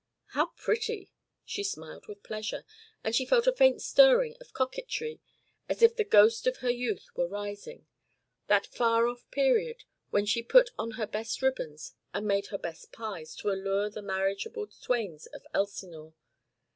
"How pretty!" She smiled with pleasure, and she felt a faint stirring of coquetry, as if the ghost of her youth were rising that far off period when she put on her best ribbons and made her best pies to allure the marriageable swains of Elsinore.